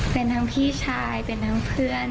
เป็นทั้งพี่ชายเป็นทั้งเพื่อน